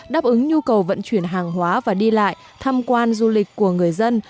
đáp ứng nhu cầu vận chuyển hàng hóa và đi lại tham quan du lịch của người dân